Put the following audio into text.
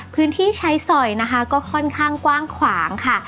พื้นที่ใช้สอยนะคะก็ค่อนข้างกว้างขวางค่ะ